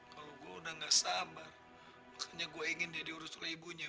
kalau gue udah gak sabar makanya gue ingin dia diurus oleh ibunya